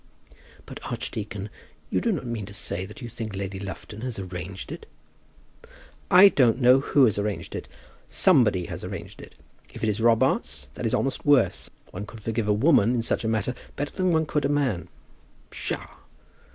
"But, archdeacon, you do not mean to say that you think that Lady Lufton has arranged it?" "I don't know who has arranged it. Somebody has arranged it. If it is Robarts, that is almost worse. One could forgive a woman in such a matter better than one could a man." "Psha!"